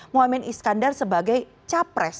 muhammad iskandar sebagai capres